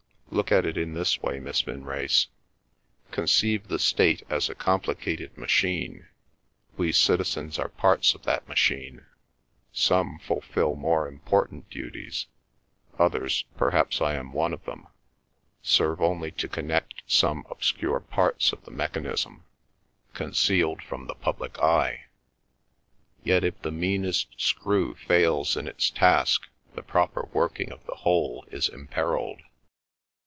Look at it in this way, Miss Vinrace; conceive the state as a complicated machine; we citizens are parts of that machine; some fulfil more important duties; others (perhaps I am one of them) serve only to connect some obscure parts of the mechanism, concealed from the public eye. Yet if the meanest screw fails in its task, the proper working of the whole is imperilled."